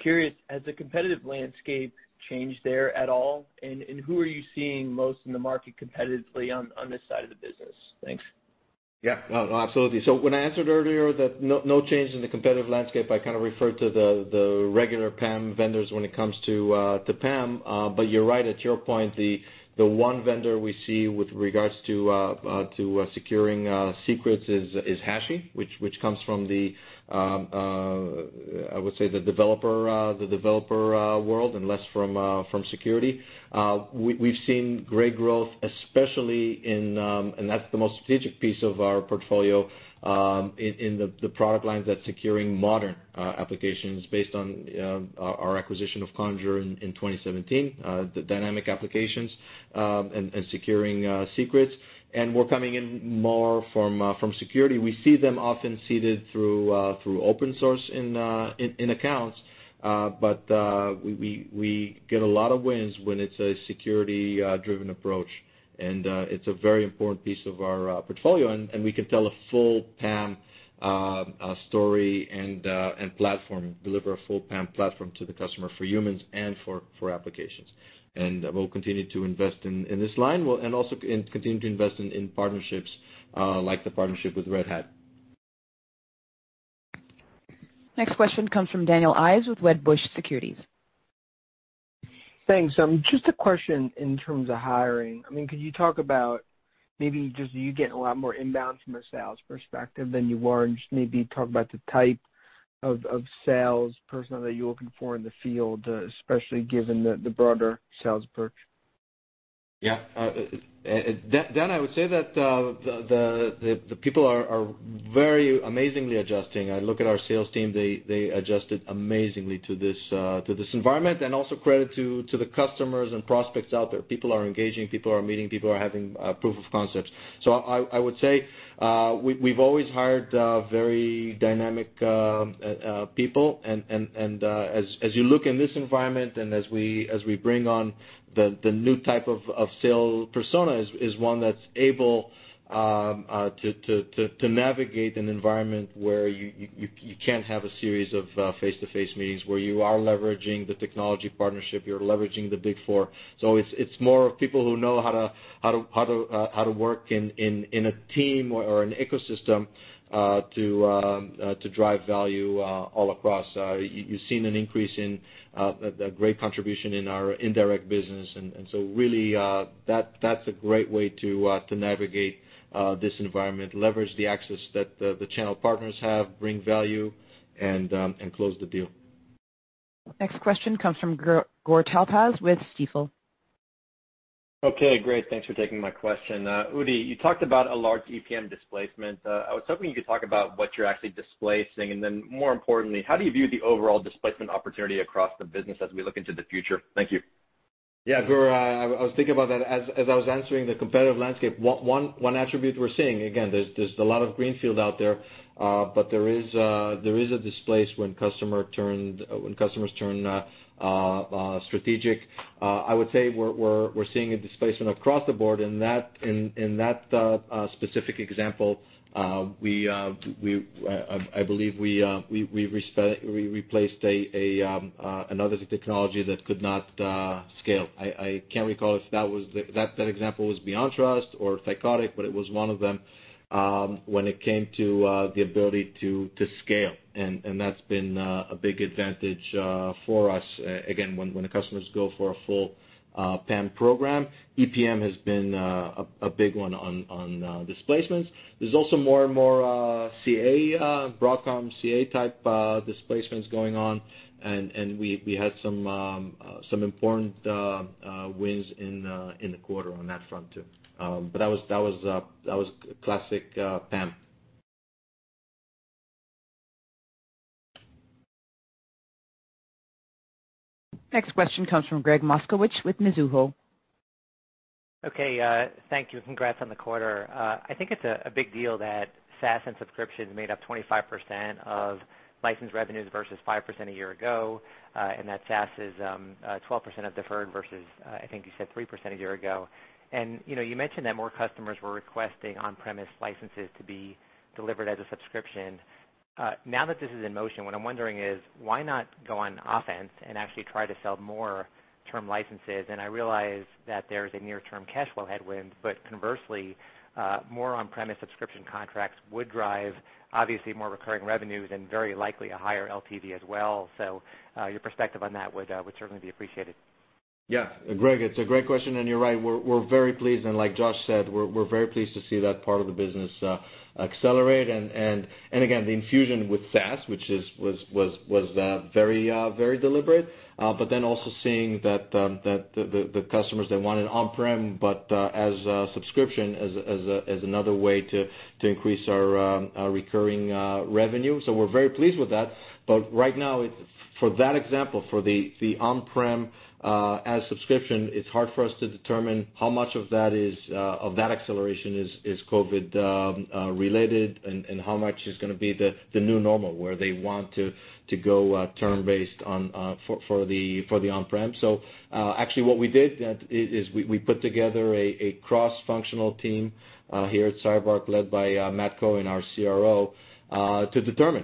Curious, has the competitive landscape changed there at all? Who are you seeing most in the market competitively on this side of the business? Thanks. Yeah, absolutely. When I answered earlier that no change in the competitive landscape, I kind of referred to the regular PAM vendors when it comes to PAM. You're right. At your point, the one vendor we see with regards to securing secrets is HashiCorp, which comes from the, I would say, the developer world and less from security. We've seen great growth, especially and that's the most strategic piece of our portfolio in the product lines that's securing modern applications based on our acquisition of Conjur in 2017, the dynamic applications and securing secrets. We're coming in more from security. We see them often seeded through open source in accounts. We get a lot of wins when it's a security-driven approach, and it's a very important piece of our portfolio, and we can tell a full PAM story and platform, deliver a full PAM platform to the customer for humans and for applications. We'll continue to invest in this line and also continue to invest in partnerships like the partnership with Red Hat. Next question comes from Daniel Ives with Wedbush Securities. Thanks. Just a question in terms of hiring. Could you talk about maybe just you getting a lot more inbound from a sales perspective than you were, and just maybe talk about the type of sales personnel that you're looking for in the field, especially given the broader sales approach? Yeah. Dan, I would say that the people are very amazingly adjusting. I look at our sales team, they adjusted amazingly to this environment. Also credit to the customers and prospects out there. People are engaging, people are meeting, people are having proof of concepts. I would say we've always hired very dynamic people. As you look in this environment and as we bring on the new type of sale persona is one that's able to navigate an environment where you can't have a series of face-to-face meetings, where you are leveraging the technology partnership, you're leveraging the Big Four. It's more of people who know how to work in a team or an ecosystem to drive value all across. You've seen an increase in a great contribution in our indirect business. Really, that's a great way to navigate this environment, leverage the access that the channel partners have, bring value, and close the deal. Next question comes from Gur Talpaz with Stifel. Okay, great. Thanks for taking my question. Udi, you talked about a large EPM displacement. I was hoping you could talk about what you're actually displacing, and then more importantly, how do you view the overall displacement opportunity across the business as we look into the future? Thank you. Yeah, Gur, I was thinking about that as I was answering the competitive landscape. One attribute we're seeing, again, there's a lot of greenfield out there. There is a displace when customers turn strategic. I would say we're seeing a displacement across the board in that specific example. I believe we replaced another technology that could not scale. I can't recall if that example was BeyondTrust or Thycotic, but it was one of them when it came to the ability to scale, and that's been a big advantage for us. Again, when the customers go for a full PAM program, EPM has been a big one on displacements. There's also more and more CA, Broadcom CA-type displacements going on, and we had some important wins in the quarter on that front, too. That was classic PAM Next question comes from Gregg Moskowitz with Mizuho. Okay. Thank you, and congrats on the quarter. I think it's a big deal that SaaS and subscriptions made up 25% of licensed revenues versus 5% a year ago, and that SaaS is 12% of deferred versus, I think you said 3% a year ago. You mentioned that more customers were requesting on-premise licenses to be delivered as a subscription. Now that this is in motion, what I'm wondering is why not go on offense and actually try to sell more term licenses? I realize that there is a near-term cash flow headwind, but conversely, more on-premise subscription contracts would drive obviously more recurring revenues and very likely a higher LTV as well. Your perspective on that would certainly be appreciated. Gregg, it's a great question. You're right. We're very pleased, like Josh said, we're very pleased to see that part of the business accelerate. Again, the infusion with SaaS, which was very deliberate, also seeing that the customers that wanted on-prem, as a subscription, as another way to increase our recurring revenue. We're very pleased with that. Right now, for that example, for the on-prem as subscription, it's hard for us to determine how much of that acceleration is COVID related and how much is going to be the new normal, where they want to go term-based for the on-prem. Actually what we did is we put together a cross-functional team here at CyberArk, led by Matthew Cohen, our CRO, to determine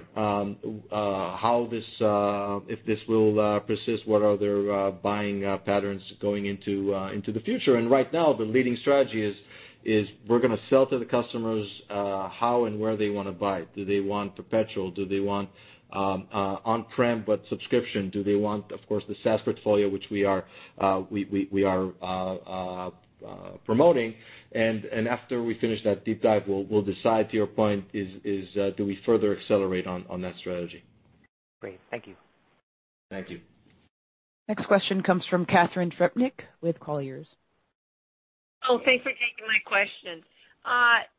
if this will persist, what are their buying patterns going into the future. Right now, the leading strategy is we're going to sell to the customers how and where they want to buy. Do they want perpetual? Do they want on-prem but subscription? Do they want, of course, the SaaS portfolio, which we are promoting. After we finish that deep dive, we'll decide, to your point, is do we further accelerate on that strategy? Great. Thank you. Thank you. Next question comes from Catharine Trebnick with Colliers. Thanks for taking my question.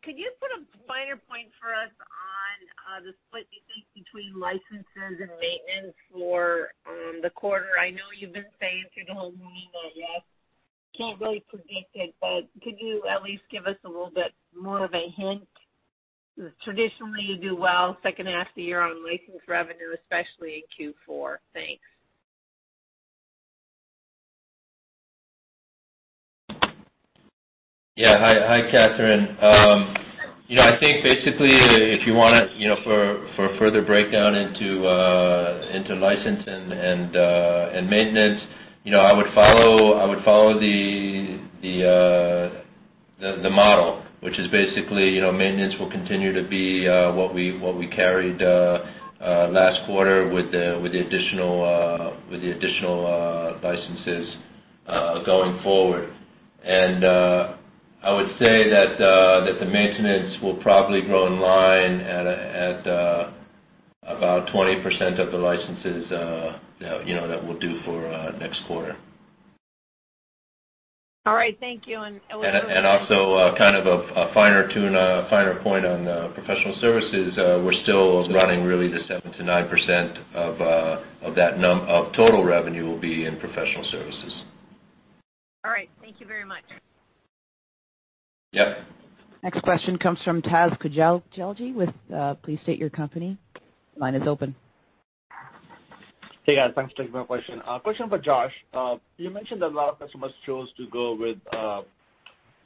Could you put a finer point for us on the split between licenses and maintenance for the quarter? I know you've been saying through the whole meeting that you can't really predict it. Could you at least give us a little bit more of a hint? Traditionally, you do well second half of the year on license revenue, especially in Q4. Thanks. Hi, Catharine. I think basically, if you want it for further breakdown into license and maintenance, I would follow the model, which is basically maintenance will continue to be what we carried last quarter with the additional licenses going forward. I would say that the maintenance will probably grow in line at about 20% of the licenses that we'll do for next quarter. All right. Thank you. Also, kind of a finer tune, a finer point on professional services, we're still running really the 7%-9% of total revenue will be in professional services. All right. Thank you very much. Yep. Next question comes from Taz Koujalgi. Please state your company. Line is open. Hey, guys. Thanks for taking my question. Question for Josh. You mentioned a lot of customers chose to go with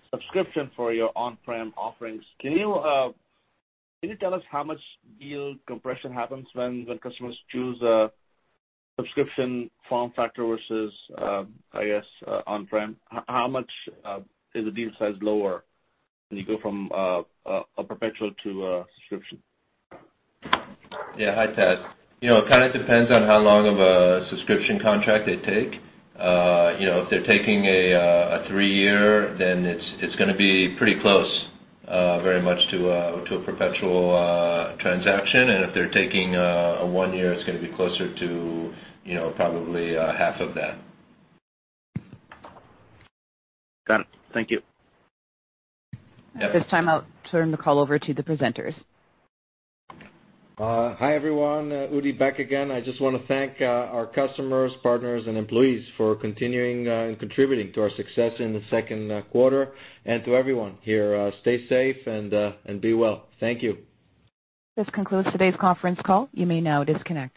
subscription for your on-prem offerings. Can you tell us how much deal compression happens when customers choose a subscription form factor versus, I guess, on-prem? How much is the deal size lower when you go from a perpetual to a subscription? Yeah. Hi, Taz. It kind of depends on how long of a subscription contract they take. If they're taking a three-year, then it's going to be pretty close, very much to a perpetual transaction. If they're taking a one-year, it's going to be closer to probably half of that. Done. Thank you. Yeah. At this time, I'll turn the call over to the presenters. Hi, everyone. Udi back again. I just want to thank our customers, partners, and employees for continuing and contributing to our success in the second quarter and to everyone here. Stay safe and be well. Thank you. This concludes today's conference call. You may now disconnect.